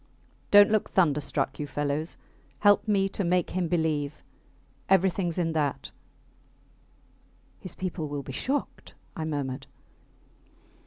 Dont look thunderstruck, you fellows. Help me to make him believe everythings in that. His people will be shocked, I murmured.